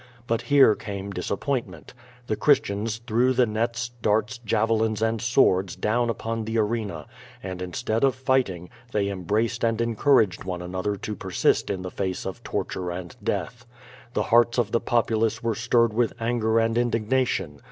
But here came disappointment. The Christians threw the nets, darts, javelins and swords down upon the arena, and, instead of fighting, they embraced and encouraged one another to persist in the face of torture and death. The hearts of the populace were stirred with anger and indigna tion.